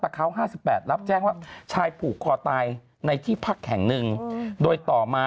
๕๘รับแจ้งว่าชายผูกคอตายในที่พักแห่งหนึ่งโดยต่อมา